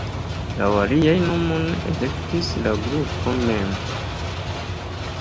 Laŭ aliaj la nomon elektis la grupo mem.